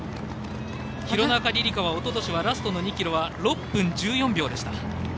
廣中璃梨佳はおととしはラストの２ｋｍは６分１４秒でした。